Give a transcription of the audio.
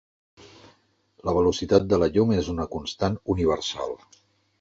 La velocitat de la llum és una constant universal.